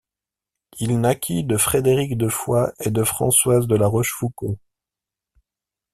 Il naquit de Frédéric de Foix et de Françoise de la Rouchefoucaud.